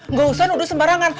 nggak usah nuduh sembarangan